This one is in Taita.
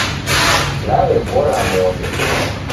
Naw'ekora modo